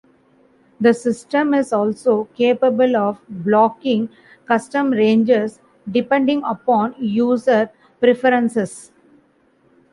The system is also capable of blocking custom ranges, depending upon user preferences.